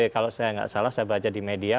kalau saya nggak salah saya baca di media